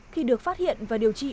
khi được phát hiện và điều trị